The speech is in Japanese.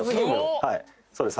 はいそうです